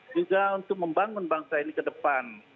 juga untuk membangun bangsa ini ke depan